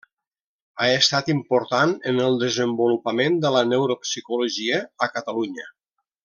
Ha estat important en el desenvolupament de la neuropsicologia a Catalunya.